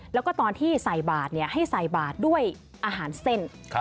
แล้วก็ตอนที่ใส่บาทให้ใส่บาทด้วยอาหารเส้น